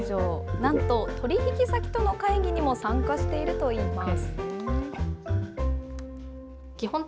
なんと取り引き先との会議にも参加しているといいます。